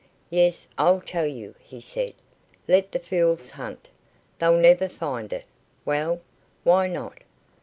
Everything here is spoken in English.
"Yes; I'll tell you," he said. "Let the fools hunt. They'll never find it. Well? Why not?